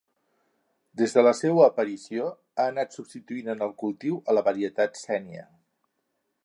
Des de la seua aparició, ha anat substituint en el cultiu a la varietat Sénia.